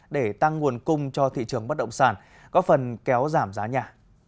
để tăng nguồn cung cho thị trường bất động sản có phần kéo giảm giá nhà